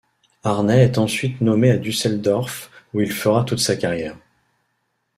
Harney est ensuite nommé à Düsseldorf, où il fera toute sa carrière.